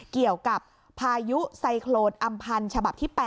เกี่ยวกับพายุไซโครนอำพันธ์ฉบับที่๘